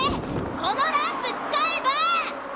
このランプつかえば！